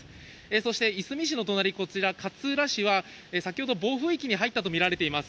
そしていすみ市の隣、こちら勝浦市は、先ほど暴風域に入ったと見られています。